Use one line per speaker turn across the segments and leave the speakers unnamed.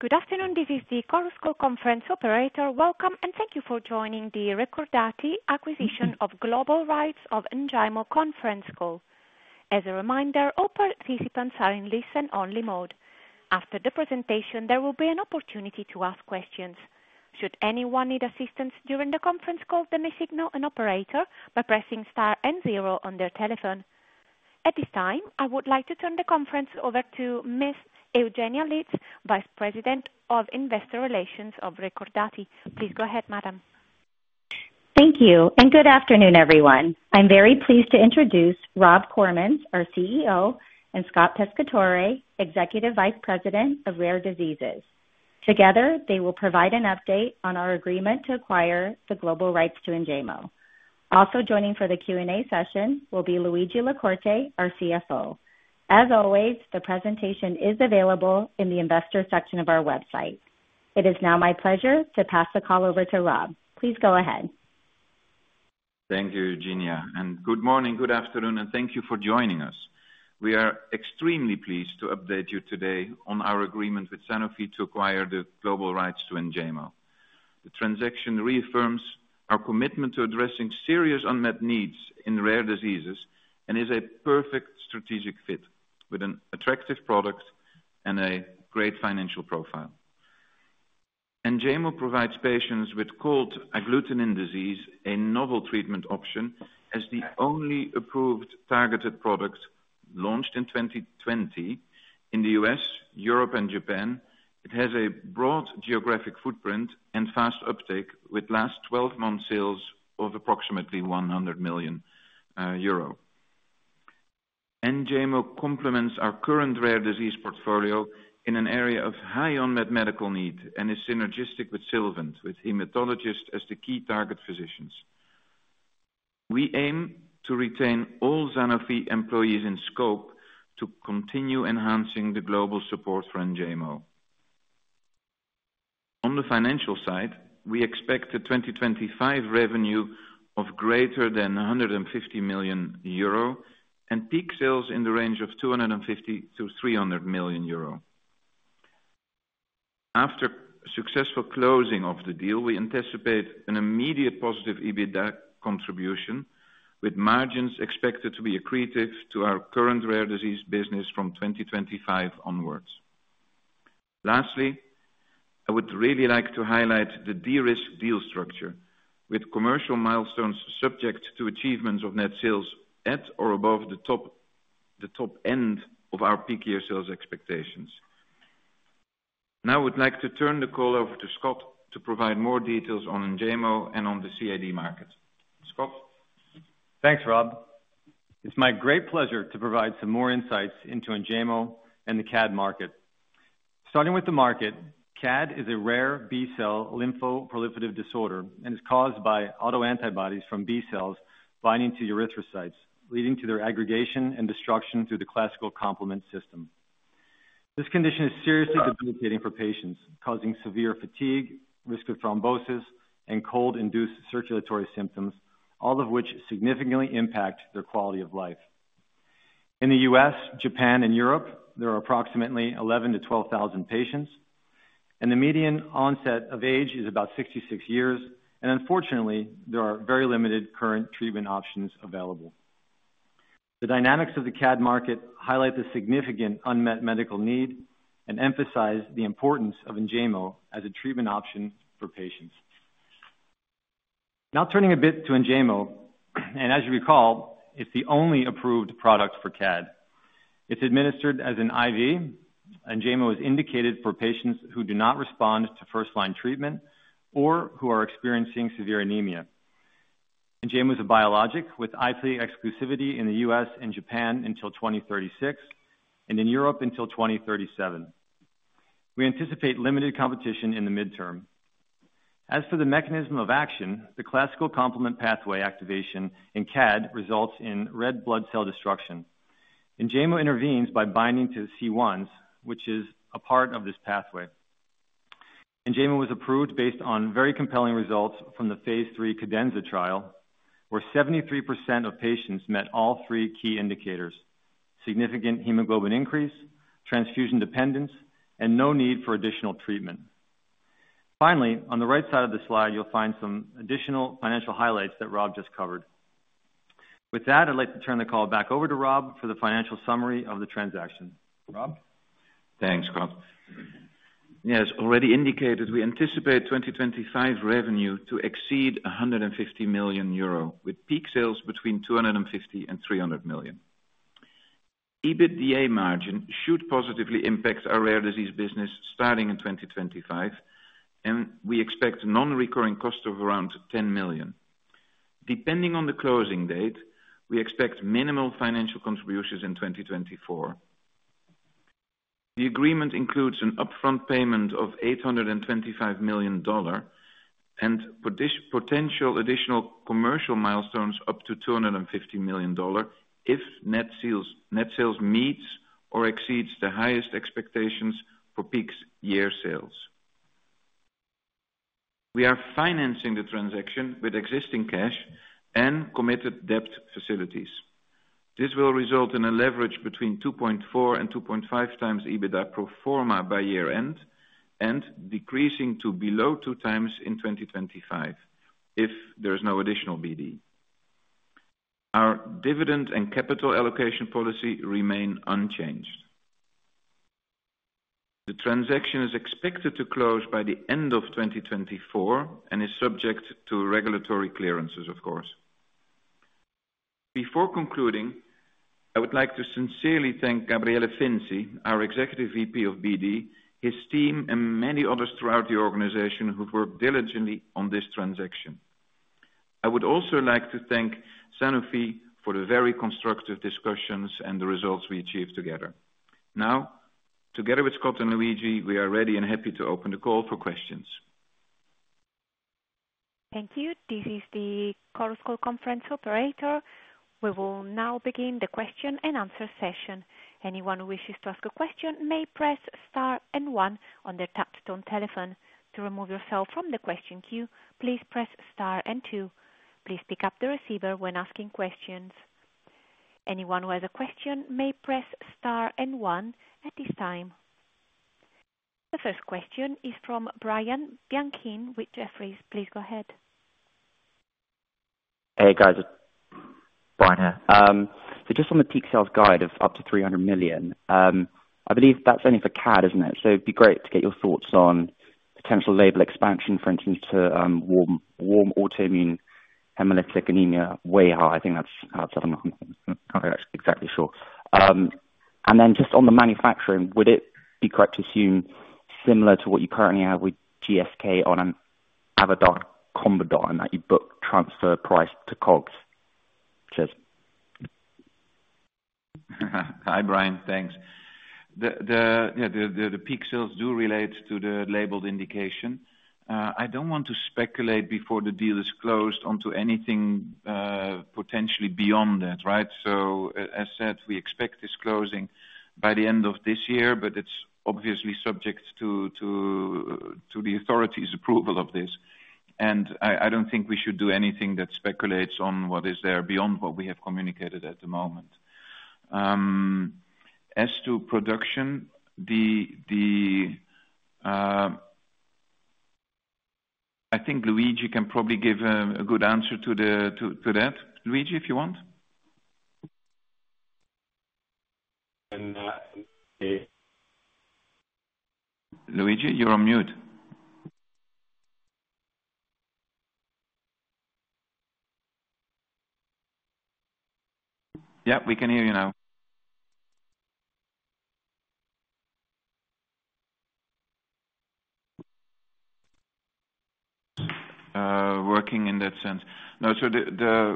Good afternoon, this is the Chorus Call Conference Operator. Welcome, and thank you for joining the Recordati Acquisition of Global Rights of Enjaymo conference call. As a reminder, all participants are in listen-only mode. After the presentation, there will be an opportunity to ask questions. Should anyone need assistance during the conference call, then they signal an operator by pressing star and zero on their telephone. At this time, I would like to turn the conference over to Miss Eugenia Litz, Vice President of Investor Relations of Recordati. Please go ahead, madam.
Thank you, and good afternoon, everyone. I'm very pleased to introduce Rob Koremans, our CEO, and Scott Pescatore, Executive Vice President of Rare Diseases. Together, they will provide an update on our agreement to acquire the global rights to Enjaymo. Also joining for the Q&A session will be Luigi La Corte, our CFO. As always, the presentation is available in the investor section of our website. It is now my pleasure to pass the call over to Rob. Please go ahead.
Thank you, Eugenia, and good morning, good afternoon, and thank you for joining us. We are extremely pleased to update you today on our agreement with Sanofi to acquire the global rights to Enjaymo. The transaction reaffirms our commitment to addressing serious unmet needs in rare diseases, and is a perfect strategic fit with an attractive product and a great financial profile. Enjaymo provides patients with cold agglutinin disease, a novel treatment option, as the only approved targeted product launched in 2020 in the U.S., Europe, and Japan. It has a broad geographic footprint and fast uptake, with last twelve-month sales of approximately 100 million euro. Enjaymo complements our current rare disease portfolio in an area of high unmet medical need and is synergistic with Sylvant, with hematologists as the key target physicians. We aim to retain all Sanofi employees in scope to continue enhancing the global support for Enjaymo. On the financial side, we expect a 2025 revenue of greater than 150 million euro, and peak sales in the range of 250 million-300 million euro. After successful closing of the deal, we anticipate an immediate positive EBITDA contribution, with margins expected to be accretive to our current rare disease business from 2025 onwards. Lastly, I would really like to highlight the de-risk deal structure, with commercial milestones subject to achievements of net sales at or above the top, the top end of our peak year sales expectations. Now, I would like to turn the call over to Scott to provide more details on Enjaymo and on the CAD market. Scott?
Thanks, Rob. It's my great pleasure to provide some more insights into Enjaymo and the CAD market. Starting with the market, CAD is a rare B-cell lymphoproliferative disorder, and is caused by autoantibodies from B-cells binding to erythrocytes, leading to their aggregation and destruction through the classical complement system. This condition is seriously debilitating for patients, causing severe fatigue, risk of thrombosis, and cold-induced circulatory symptoms, all of which significantly impact their quality of life. In the U.S., Japan, and Europe, there are approximately 11-12 thousand patients, and the median onset of age is about 66 years. And unfortunately, there are very limited current treatment options available. The dynamics of the CAD market highlight the significant unmet medical need and emphasize the importance of Enjaymo as a treatment option for patients. Now, turning a bit to Enjaymo, and as you recall, it's the only approved product for CAD. It's administered as an IV. Enjaymo is indicated for patients who do not respond to first-line treatment or who are experiencing severe anemia. Enjaymo is a biologic with IV exclusivity in the U.S. and Japan until 2036, and in Europe until 2037. We anticipate limited competition in the midterm. As for the mechanism of action, the classical complement pathway activation in CAD results in red blood cell destruction. Enjaymo intervenes by binding to C1, which is a part of this pathway. Enjaymo was approved based on very compelling results from the phase 3 CADENZA trial, where 73% of patients met all three key indicators: significant hemoglobin increase, transfusion dependence, and no need for additional treatment. Finally, on the right side of the slide, you'll find some additional financial highlights that Rob just covered. With that, I'd like to turn the call back over to Rob for the financial summary of the transaction. Rob?
Thanks, Scott. Yeah, as already indicated, we anticipate 2025 revenue to exceed 150 million euro, with peak sales between 250 million and 300 million. EBITDA margin should positively impact our rare disease business starting in 2025, and we expect non-recurring costs of around 10 million. Depending on the closing date, we expect minimal financial contributions in 2024. The agreement includes an upfront payment of $825 million and potential additional commercial milestones up to $250 million, if net sales meets or exceeds the highest expectations for peak year sales. We are financing the transaction with existing cash and committed debt facilities. This will result in a leverage between 2.4 and 2.5 times EBITDA pro forma by year-end, and decreasing to below 2 times in 2025, if there is no additional BD. Our dividend and capital allocation policy remain unchanged. The transaction is expected to close by the end of 2024, and is subject to regulatory clearances, of course. Before concluding, I would like to sincerely thank Gabriele Finzi, our Executive VP of BD, his team, and many others throughout the organization who've worked diligently on this transaction. I would also like to thank Sanofi for the very constructive discussions and the results we achieved together. Now, together with Scott and Luigi, we are ready and happy to open the call for questions.
Thank you. This is the Chorus Call conference operator. We will now begin the question and answer session. Anyone who wishes to ask a question may press Star and One on their touchtone telephone. To remove yourself from the question queue, please press Star and Two. Please pick up the receiver when asking questions. Anyone who has a question may press Star and One at this time. The first question is from Brian Balchin with Jefferies. Please go ahead.
Hey, guys. Brian here. Just on the peak sales guide of up to $300 million, I believe that's only for CAD, isn't it? It'd be great to get your thoughts on potential label expansion, for instance, to warm autoimmune hemolytic anemia, wAIHA. I think that's, I'm not actually exactly sure. Then just on the manufacturing, would it be correct to assume similar to what you currently have with GSK on an Avodart Combodart, and that you book transfer price to COGS? Cheers.
Hi, Brian. Thanks. Yeah, the peak sales do relate to the labeled indication. I don't want to speculate before the deal is closed onto anything potentially beyond that, right? As said, we expect this closing by the end of this year, but it's obviously subject to the authority's approval of this. I don't think we should do anything that speculates on what is there beyond what we have communicated at the moment. As to production, I think Luigi can probably give a good answer to that. Luigi, if you want?
Hey.
Luigi, you're on mute. Yep, we can hear you now. Working in that sense. No, so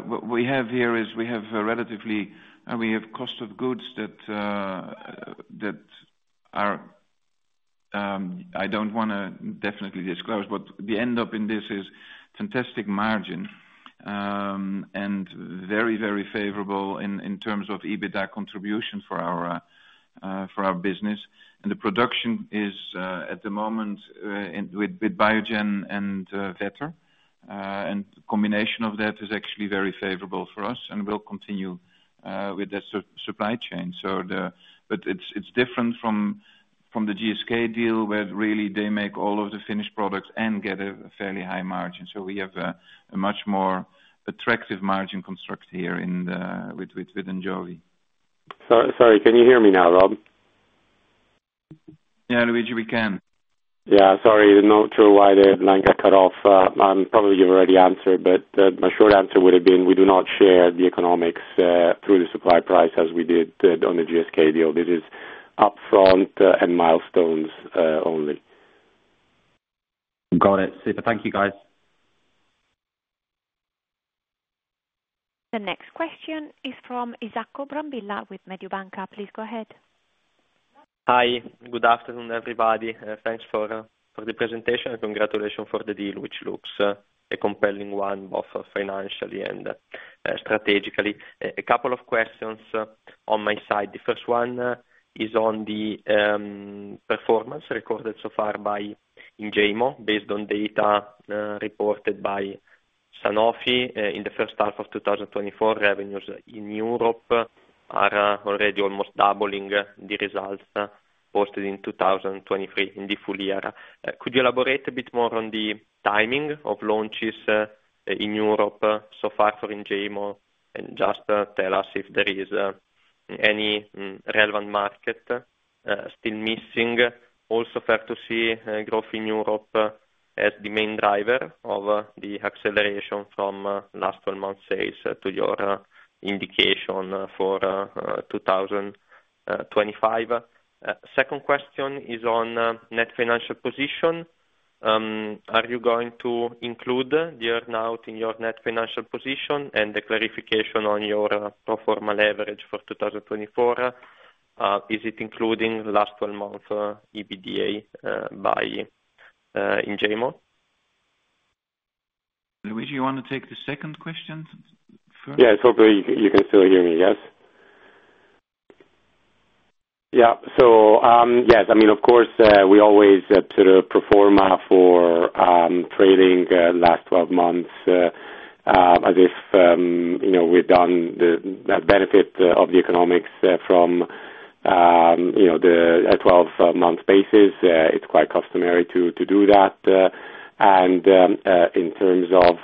what we have here is we have a relatively, we have cost of goods that are, I don't wanna definitely disclose, but the end up in this is fantastic margin, and very, very favorable in terms of EBITDA contribution for our business. And the production is, at the moment, with Biogen and Vetter. And combination of that is actually very favorable for us, and we'll continue with that supply chain. It's different from the GSK deal, where really they make all of the finished products and get a fairly high margin. We have a much more attractive margin construct here with Enjaymo.
Sorry, can you hear me now, Rob?
Yeah, Luigi, we can.
Sorry, not sure why the line got cut off. Probably you've already answered, but, my short answer would have been, we do not share the economics through the supply price as we did on the GSK deal. This is upfront and milestones only.
Got it. Super. Thank you, guys.
The next question is from Isacco Brambilla with Mediobanca. Please go ahead.
Hi. Good afternoon, everybody, and thanks for the presentation, and congratulations for the deal, which looks a compelling one, both financially and strategically. A couple of questions on my side. The first one is on the performance recorded so far by Enjaymo, based on data reported by Sanofi. In the first half of 2024, revenues in Europe are already almost doubling the results posted in 2023 in the full year. Could you elaborate a bit more on the timing of launches in Europe so far for Enjaymo, and just tell us if there is any relevant market still missing? Also fair to see growth in Europe as the main driver of the acceleration from last 12 months sales to your indication for 2025. Second question is on net financial position. Are you going to include the earn-out in your net financial position, and the clarification on your pro forma leverage for 2024? Is it including last 12-month EBITDA by Enjaymo?
Luigi, you want to take the second question first?
Yeah. Hopefully you can still hear me, yes?.Yes we always set to the pro forma for trading, last twelve months, as if we've done the benefit of the economics from the a twelve-month basis. It's quite customary to do that. In terms of,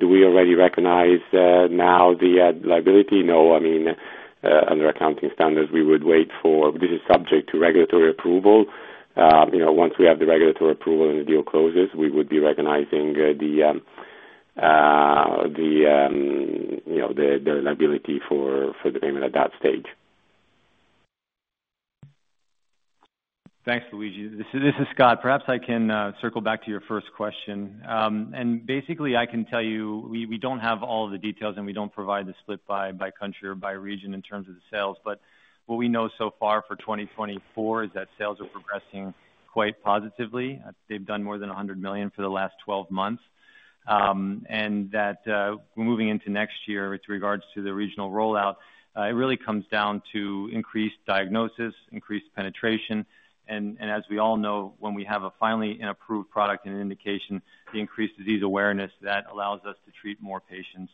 do we already recognize now the liability? No. I mean, under accounting standards, we would wait for. This is subject to regulatory approval. Once we have the regulatory approval and the deal closes, we would be recognizing the liability for the payment at that stage.
Thanks, Luigi. This is Scott. Perhaps I can circle back to your first question. Basically, I can tell you, we don't have all the details, and we don't provide the split by country or by region in terms of the sales. What we know so far for 2024 is that sales are progressing quite positively. They've done more than 100 million for the last 12 months. That, moving into next year, with regards to the regional rollout, it really comes down to increased diagnosis, increased penetration, and as we all know, when we have finally an approved product and an indication, the increased disease awareness that allows us to treat more patients.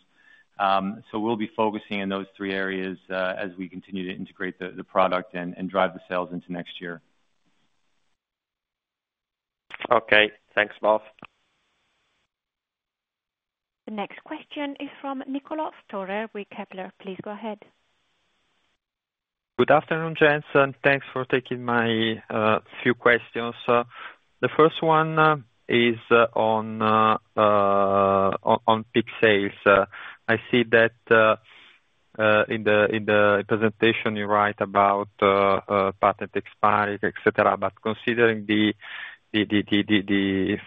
Will be focusing on those three areas as we continue to integrate the product and drive the sales into next year.
Okay, thanks, both.
The next question is from Niccolò Storer with Kepler. Please go ahead.
Good afternoon, gents, and thanks for taking my few questions. The first one is on peak sales. I see that in the presentation, you write about patent expiry, et cetera, but considering the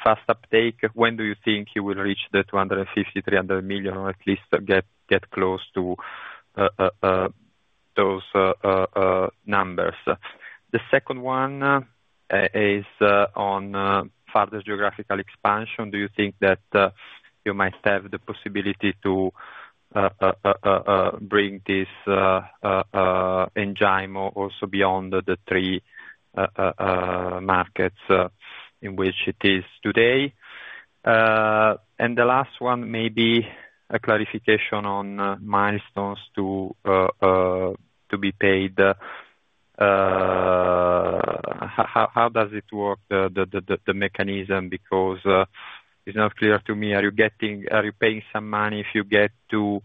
fast uptake, when do you think you will reach 250 million-300 million, or at least get close to those numbers? The second one is on further geographical expansion. Do you think that you might have the possibility to bring this Enjaymo or also beyond the three markets in which it is today? the last one may be a clarification on milestones to be paid. How does it work, the mechanism? Because it's not clear to me. Are you paying some money if you get to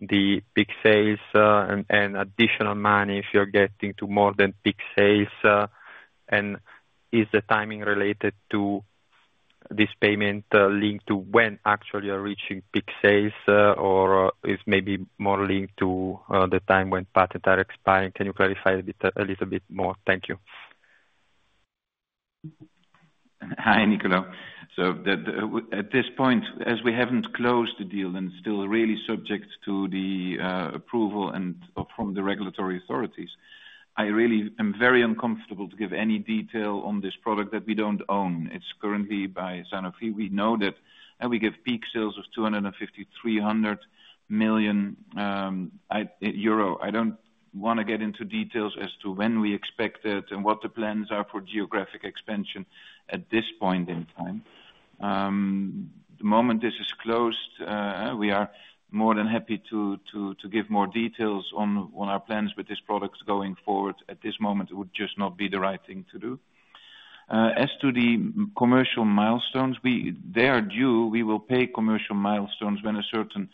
the peak sales, and additional money if you're getting to more than peak sales? Is the timing related to this payment linked to when actually you're reaching peak sales, or is maybe more linked to the time when patent are expiring? Can you clarify a bit more? Thank you.
Hi, Niccolò. At this point, as we haven't closed the deal and still really subject to the approval and from the regulatory authorities, I really am very uncomfortable to give any detail on this product that we don't own. It's currently by Sanofi. We know that we give peak sales of 250-300 million euro. I don't want to get into details as to when we expect it and what the plans are for geographic expansion at this point in time. The moment this is closed, we are more than happy to give more details on our plans with this product going forward. At this moment, it would just not be the right thing to do. As to the commercial milestones, they are due. We will pay commercial milestones when certain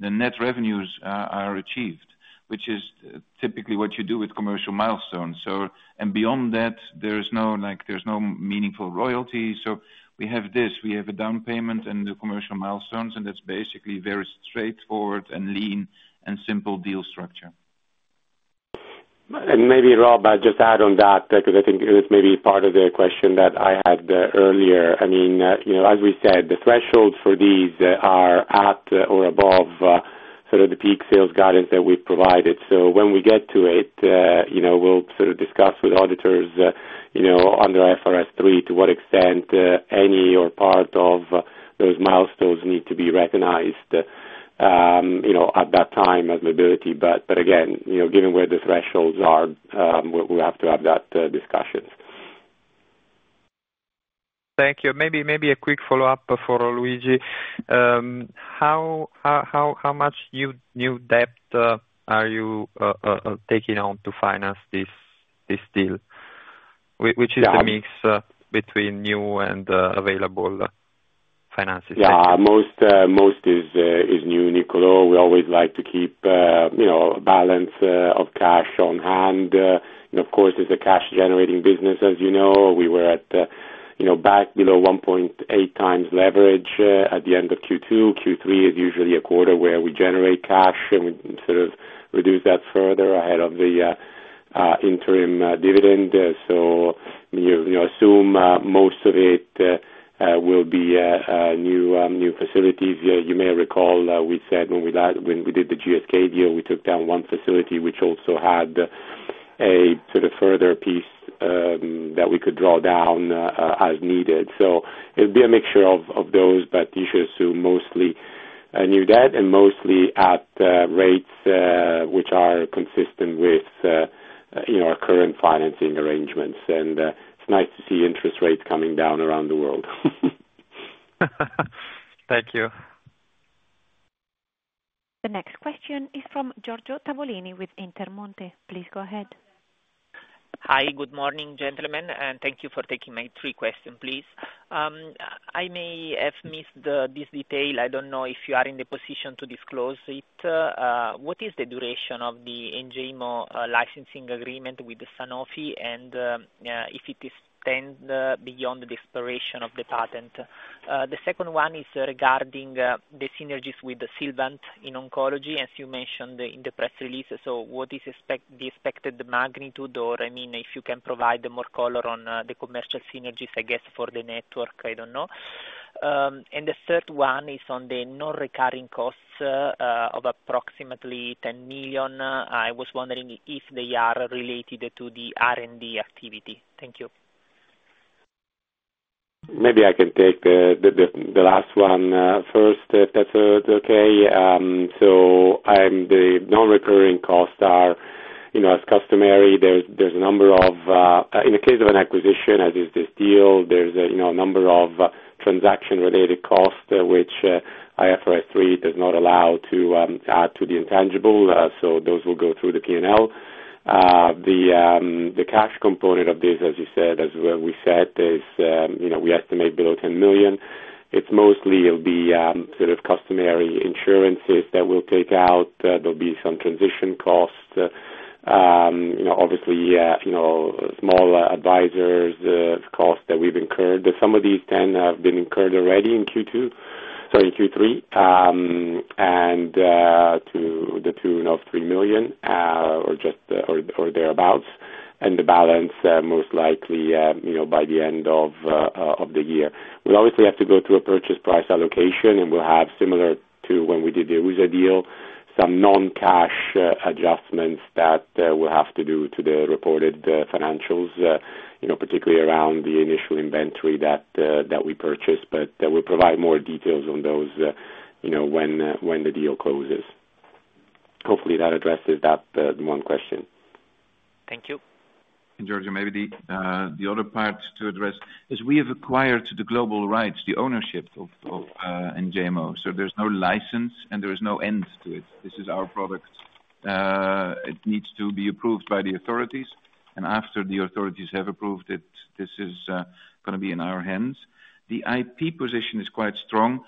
net revenues are achieved, which is typically what you do with commercial milestones. Beyond that, there is no, like, there's no meaningful royalty. We have this. We have a down payment and the commercial milestones, and that's basically very straightforward and lean and simple deal structure.
Maybe, Rob, I'll just add on that, because I think it was maybe part of the question that I had, earlier. As we said, the thresholds for these are at or above, the peak sales guidance that we've provided. When we get to it we'll discuss with auditors under IFRS 3, to what extent, any or part of those milestones need to be recognized at that time, as liability. Again given where the thresholds are, we, we'll have to have that, discussion.
Thank you. Maybe a quick follow-up for Luigi. How much new debt are you taking on to finance this deal? Which is the mix between new and available finances?
Most is new, Niccolò. We always like to keep a balance of cash on hand. It's a cash-generating business, as. We were at back below one point eight times leverage at the end of Q2. Q3 is usually a quarter where we generate cash, and we reduce that further ahead of the interim dividend. You assume most of it will be new facilities. You may recall, we said when we did the GSK deal, we took down one facility, which also had a further piece that we could draw down as needed. It'd be a mixture of those, but you should assume mostly anew debt, and mostly at rates which are consistent with our current financing arrangements. It's nice to see interest rates coming down around the world.
Thank you.
The next question is from Giorgio Tavolini with Intermonte. Please go ahead.
Hi, good morning, gentlemen, and thank you for taking my three questions, please. I may have missed this detail. I don't know if you are in the position to disclose it. What is the duration of the Enjaymo licensing agreement with Sanofi, and yeah, if it extends beyond the expiration of the patent? The second one is regarding the synergies with the Sylvant in oncology, as you mentioned in the press release. What is the expected magnitude, or, I mean, if you can provide more color on the commercial synergies, for the network, I don't know. The third one is on the non-recurring costs of approximately 10 million. I was wondering if they are related to the R&D activity. Thank you.
Maybe I can take the last one first, if that's okay. The non-recurring costs are as customary, there's a number of. In the case of an acquisition, as is this deal, there's a number of, transaction-related costs which IFRS 3 does not allow to add to the intangible, so those will go through the P&L. The cash component of this, as you said, as we said is we estimate below 10 million. It's mostly it'll be customary insurances that we'll take out. There'll be some transition costs. Obviously small advisory costs that we've incurred. Some of these ten have been incurred already in Q2, sorry, Q3, and to the tune of 3 million or just or thereabout. The balance most likely by the end of the year. We'll obviously have to go through a purchase price allocation, and we'll have similar to when we did the Auza deal, some non-cash adjustments that we'll have to do to the reported financials particularly around the initial inventory that we purchased. Then we'll provide more details on those when the deal closes. Hopefully, that addresses that one question.
Thank you.
Giorgio, maybe the other part to address is we have acquired the global rights, the ownership of Enjaymo, so there's no license, and there is no end to it. This is our product. It needs to be approved by the authorities, and after the authorities have approved it, this is gonna be in our hands. The IP position is quite strong.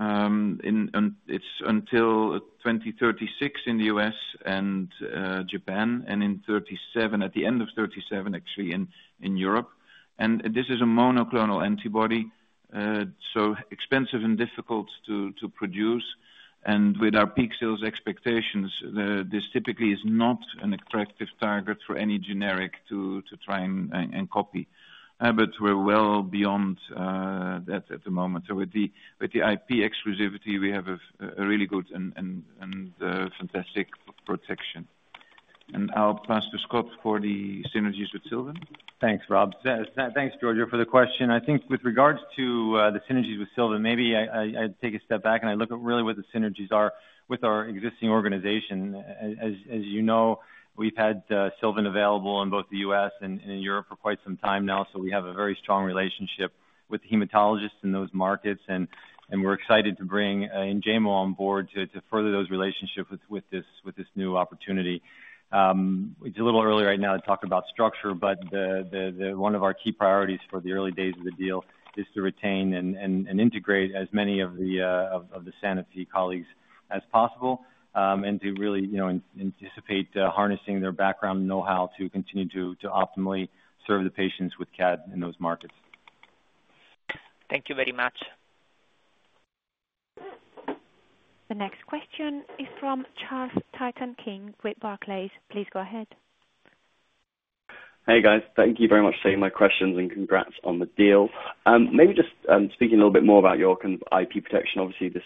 It's until 2036 in the U.S. and Japan, and in 2037, at the end of 2037, actually, in Europe. And this is a monoclonal antibody, so expensive and difficult to produce. With our peak sales expectations, this typically is not an attractive target for any generic to try and copy. We're well beyond that at the moment. With the IP exclusivity, we have a really good and fantastic protection. I'll pass to Scott for the synergies with Sylvant.
Thanks, Rob. Thanks, Giorgio, for the question. I think with regards to the synergies with Sylvant, maybe I'd take a step back, and I look at really what the synergies are with our existing organization. As we've had Sylvant available in both the US and Europe for quite some time now, so we have a very strong relationship with hematologists in those markets, and we're excited to bring Enjaymo on board to further those relationships with this new opportunity. It's a little early right now to talk about structure, but the. One of our key priorities for the early days of the deal is to retain and integrate as many of the Sanofi colleagues as possible, and to really anticipate harnessing their background and know-how to continue to optimally serve the patients with CAD in those markets.
Thank you very much.
The next question is from Charles Pitman-King with Barclays. Please go ahead.
Hey, guys. Thank you very much for taking my questions, and congrats on the deal. Maybe just speaking a little bit more about your IP protection, obviously this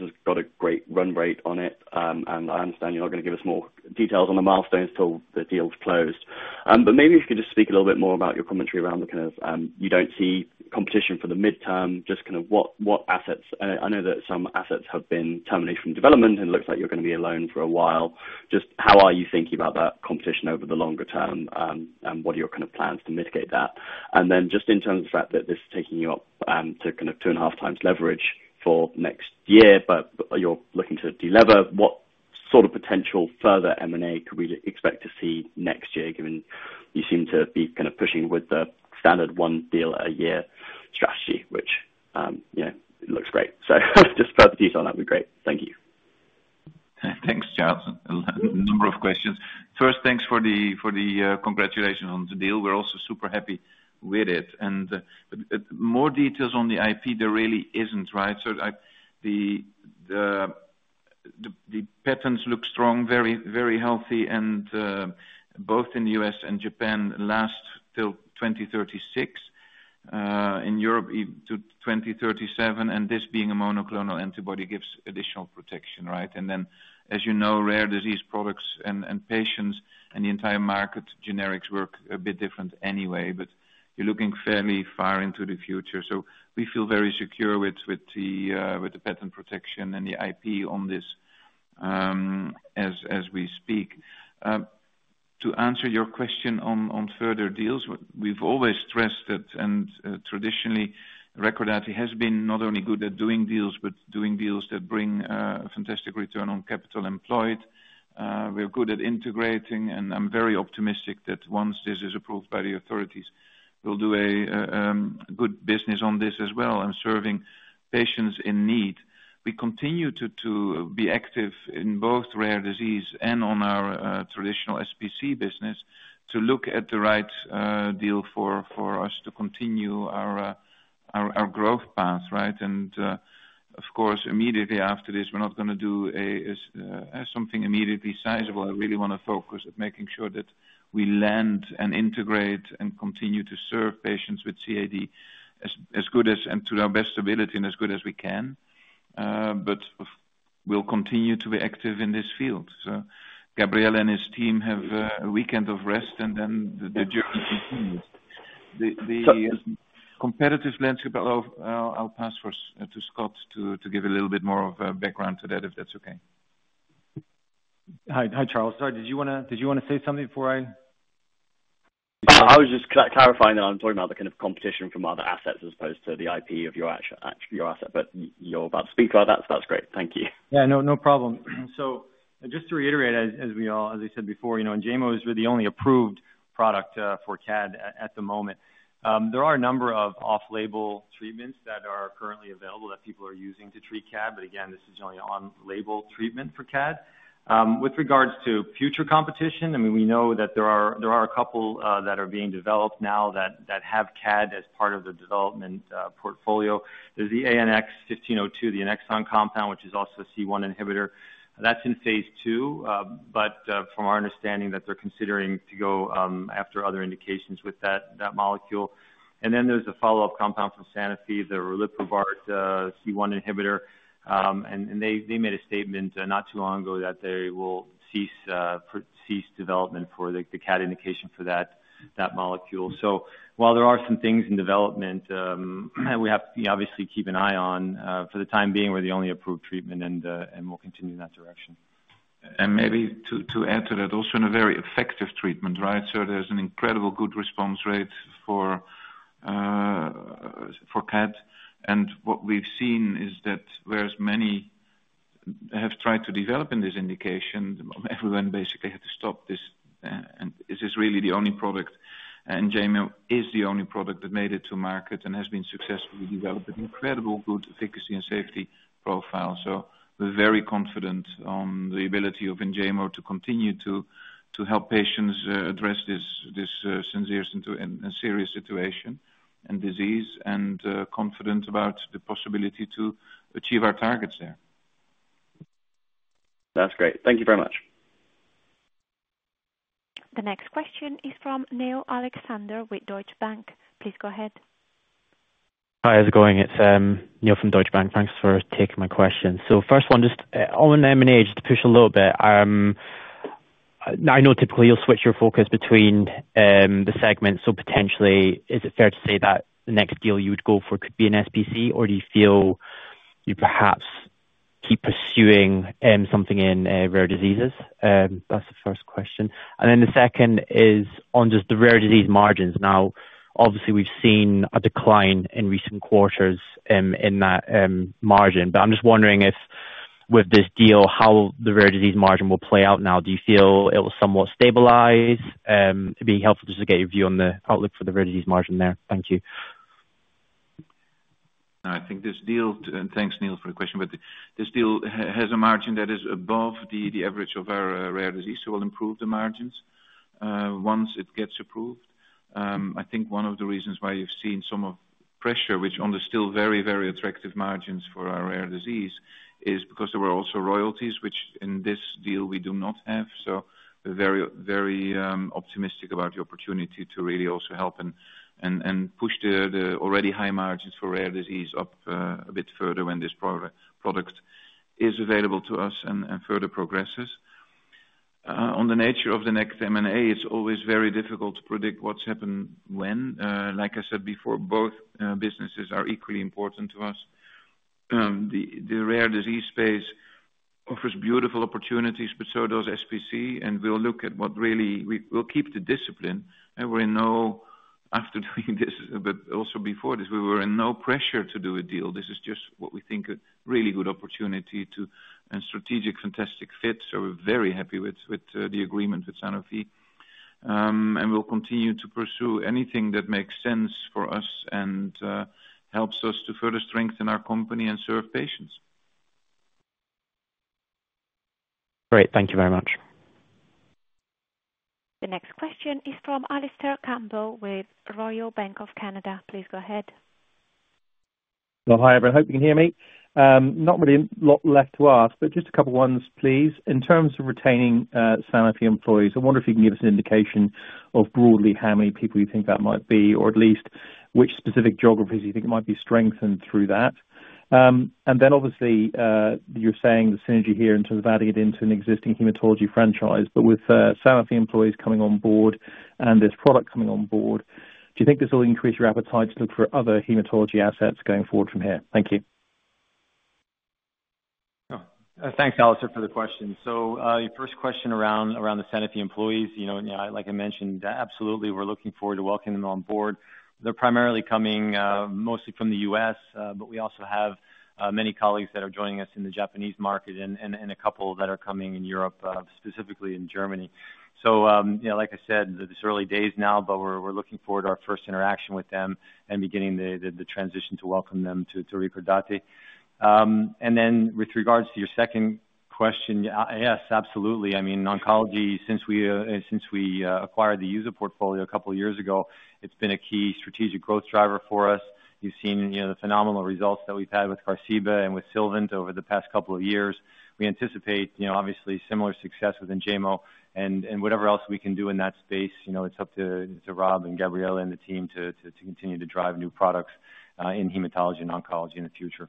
has got a great run rate on it. I understand you're not gonna give us more details on the milestones until the deal's closed. Maybe if you could just speak a little bit more about your commentary around the you don't see competition for the midterm, just what assets. I know that some assets have been terminated from development, and it looks like you're gonna be alone for a while. How are you thinking about that competition over the longer term, and what are your plans to mitigate that? Then, just in terms of the fact that this is taking you up to two and a half times leverage for next year, but you're looking to delever, what potential further M&A could we expect to see next year, given you seem to be pushing with the standard one deal a year strategy, which, yeah, it looks great? Just further detail on that would be great. Thank you.
Thanks, Charles. A number of questions. First, thanks for the congratulations on the deal. We're also super happy with it, and more details on the IP, there really isn't, right? The patents look strong, very, very healthy, and both in the U.S. and Japan, last till 2036, in Europe to 2037, and this being a monoclonal antibody gives additional protection, right? Then as rare disease products and patients and the entire market, generics work a bit different anyway, but you're looking fairly far into the future. We feel very secure with the patent protection and the IP on this, as we speak. To answer your question on further deals, we've always stressed that and traditionally, Recordati has been not only good at doing deals, but doing deals that bring fantastic return on capital employed. We're good at integrating, and I'm very optimistic that once this is approved by the authorities, we'll do a good business on this as well and serving patients in need. We continue to be active in both rare disease and on our traditional SPC business, to look at the right deal for us to continue our growth path, right? Immediately after this, we're not gonna do something immediately sizable. I really wanna focus of making sure that we land and integrate and continue to serve patients with CAD as good as, and to our best ability, and as good as we can. Will continue to be active in this field. Gabriele and his team have a weekend of rest, and then the journey continues. The competitive landscape, I'll pass first to Scott to give a little bit more of a background to that, if that's okay.
Hi, Charles. Sorry, did you wanna say something before I-
I was just clarifying that I'm talking about the competition from other assets as opposed to the IP of your act, your asset, but you're about to speak, so that's great. Thank you.
Yeah, no, no problem. Just to reiterate, as I said before Enjaymo is really the only approved product for CAD at the moment. There are a number of off-label treatments that are currently available that people are using to treat CAD, but again, this is the only on-label treatment for CAD. With regards to future competition, I mean, we know that there are a couple that are being developed now that have CAD as part of the development portfolio. There's the ANX1502, the Annexon compound, which is also a C1 inhibitor. That's in phase two, but from our understanding, that they're considering to go after other indications with that molecule. Then there's a follow-up compound from Sanofi, the relipaviroc C1 inhibitor, and they made a statement not too long ago that they will cease development for the CAD indication for that molecule. While there are some things in development, we have to obviously keep an eye on for the time being, we're the only approved treatment, and we'll continue in that direction.
And maybe to add to that, also in a very effective treatment, right? There's an incredible good response rate for CAD. And what we've seen is that whereas many have tried to develop in this indication, everyone basically had to stop, and this is really the only product, and Enjaymo is the only product that made it to market and has been successfully developed with incredible good efficacy and safety profile. We're very confident on the ability of Enjaymo to continue to help patients address this serious situation and disease, and confident about the possibility to achieve our targets there.
That's great. Thank you very much.
The next question is from Neil Alexander with Deutsche Bank. Please go ahead.
Hi, how's it going? It's Neil from Deutsche Bank. Thanks for taking my question. First one, just on M&A, just to push a little bit. I know typically you'll switch your focus between the segments, so potentially, is it fair to say that the next deal you would go for could be an SPC, or do you feel you perhaps keep pursuing something in rare diseases? That's the first question. Then the second is on just the rare disease margins. Now, obviously, we've seen a decline in recent quarters in that margin, but I'm just wondering if, with this deal, how the rare disease margin will play out now. Do you feel it will somewhat stabilize? It'd be helpful just to get your view on the outlook for the rare disease margin there. Thank you.
I think this deal. Thanks, Neil, for the question, but this deal has a margin that is above the average of our rare disease, so we'll improve the margins once it gets approved. I think one of the reasons why you've seen some pressure on the still very, very attractive margins for our rare disease is because there were also royalties, which in this deal we do not have. We're very, very optimistic about the opportunity to really also help and push the already high margins for rare disease up a bit further when this product is available to us and further progresses. On the nature of the next M&A, it's always very difficult to predict what will happen when. Like I said before, both businesses are equally important to us. The rare disease space offers beautiful opportunities, but so does SPC, and we'll look at what we'll keep the discipline, and we know after doing this, but also before this, we were in no pressure to do a deal. This is just what we think a really good opportunity to and strategic, fantastic fit, so we're very happy with the agreement with Sanofi, and we'll continue to pursue anything that makes sense for us and helps us to further strengthen our company and serve patients.
Great. Thank you very much.
The next question is from Alastair Campbell with Royal Bank of Canada. Please go ahead.
Hi, everyone. Hope you can hear me. Not really a lot left to ask, but just a couple ones, please. In terms of retaining Sanofi employees, I wonder if you can give us an indication of broadly how many people you think that might be, or at least which specific geographies you think might be strengthened through that, and then obviously, you're saying the synergy here in terms of adding it into an existing hematology franchise, but with Sanofi employees coming on board and this product coming on board, do you think this will increase your appetite to look for other hematology assets going forward from here? Thank you. Thanks, Alastair, for the question. Your first question around the Sanofi employees and yeah, like I mentioned, absolutely, we're looking forward to welcoming them on board. They're primarily coming, mostly from the US, but we also have many colleagues that are joining us in the Japanese market and a couple that are coming in Europe, specifically in Germany. Like I said, it's early days now, but we're looking forward to our first interaction with them and beginning the transition to welcome them to Recordati. Then with regards to your second question, yes, absolutely. I mean, oncology, since we acquired the EUSA portfolio a couple of years ago, it's been a key strategic growth driver for us. You've seen the phenomenal results that we've had with Qarziba and with Sylvant over the past couple of years. We anticipate obviously similar success within Enjaymo and whatever else we can do in that space it's up to Rob and Gabriele and the team to continue to drive new products in hematology and oncology in the future.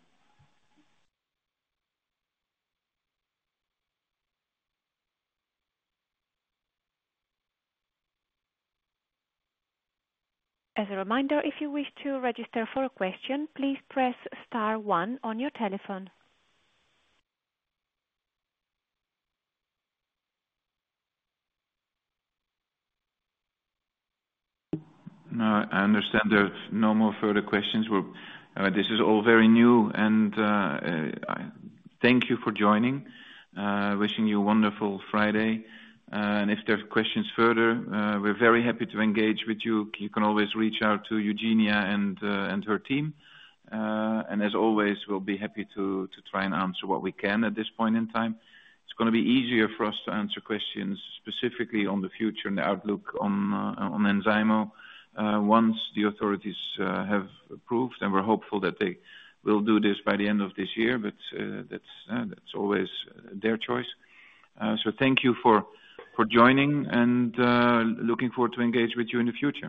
As a reminder, if you wish to register for a question, please press star one on your telephone.
Now, I understand there's no more further questions. Well, this is all very new and thank you for joining, wishing you a wonderful Friday, and if there are questions further, we're very happy to engage with you. You can always reach out to Eugenia and her team, and as always, we'll be happy to try and answer what we can at this point in time. It's gonna be easier for us to answer questions, specifically on the future and the outlook on Enjaymo, once the authorities have approved, and we're hopeful that they will do this by the end of this year, but that's always their choice, so thank you for joining and looking forward to engage with you in the future.